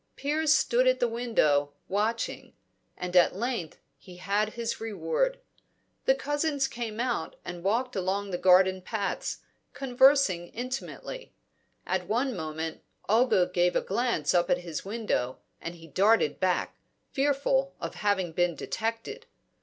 Piers stood at the window, watching; and at length he had his reward; the cousins came out and walked along the garden paths, conversing intimately. At one moment, Olga gave a glance up at his window, and he darted back, fearful of having been detected.